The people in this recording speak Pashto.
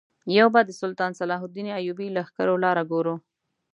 یو به د سلطان صلاح الدین ایوبي لښکرو لاره ګورو.